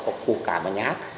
hoặc của cả một nhà hát